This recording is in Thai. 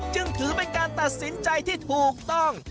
จึงถือเป็นการตัดสินใจที่ถูกต้อง